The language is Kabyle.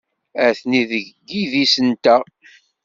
Atni seg yidis-nteɣ.